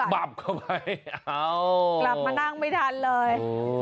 กระบะเข้าไปกะโหทรมานั่งไม่ทันเลย